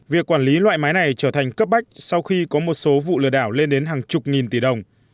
việc quản lý loại máy này trở thành cấp bách sau khi có một số vụ lừa đảo lên đến hàng chục nghìn tỷ đồng